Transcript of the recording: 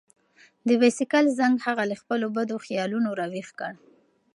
د بایسکل زنګ هغه له خپلو بدو خیالونو راویښ کړ.